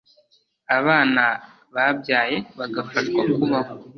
abana babyaye bagafashwa kubaho